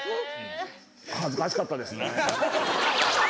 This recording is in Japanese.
恥ずかしかったですね。